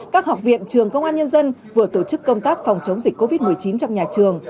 các học viện trường công an nhân dân vừa tổ chức công tác phòng chống dịch covid một mươi chín trong nhà trường